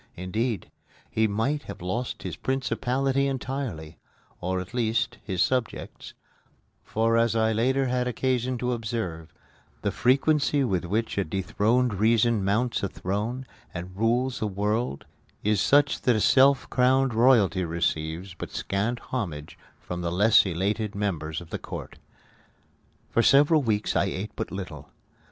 Indeed, he might have lost his principality entirely or, at least, his subjects; for, as I later had occasion to observe, the frequency with which a dethroned reason mounts a throne and rules a world is such that self crowned royalty receives but scant homage from the less elated members of the court. For several weeks I ate but little.